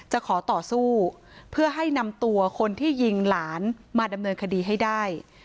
ขอต่อสู้เพื่อให้นำตัวคนที่ยิงหลานมาดำเนินคดีให้ได้